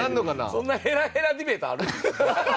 そんなヘラヘラディベートある？